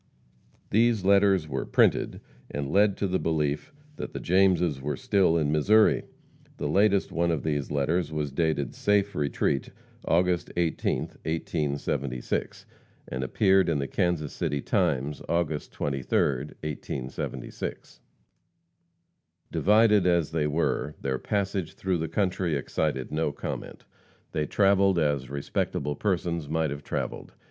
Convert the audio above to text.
These letters were printed, and lead to the belief that the Jameses were still in Missouri. The latest one of these letters was dated "Safe Retreat, August 18th, 1876," and appeared in the Kansas City Times August 23d, 1876. Divided as they were, their passage through the country excited no comment. They travelled as respectable persons might have travelled.